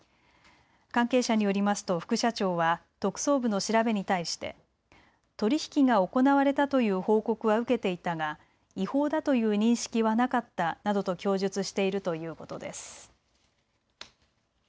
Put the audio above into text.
関係者によりますと副社長は特捜部の調べに対して取り引きが行われたという報告は受けていたが違法だという認識はなかったなどと供述しているということです。